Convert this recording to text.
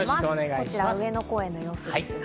こちらは上野公園の様子ですね。